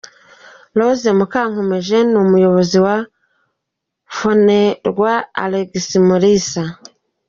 Rose Mukankomeje n’umuyobozi wa Fonerwa, Alex Mulisa.